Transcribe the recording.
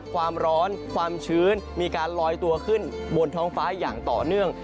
ความร้อนความชื้นมีการลอยตัวขึ้นบนท้องฟ้าอย่างต่อเนื่อง